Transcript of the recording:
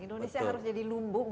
indonesia harus jadi lumbung